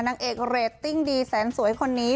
นางเอกเรตติ้งดีแสนสวยคนนี้